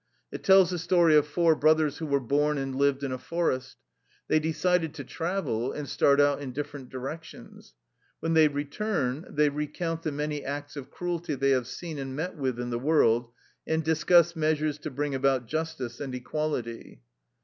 It tells the story of four brothers who were born and lived in a forest. They decide to travel, and start out in different directions. When they return, they recount the many acts of cruelty they have seen and met with in the world, and discuss measures to bring about justice and equality.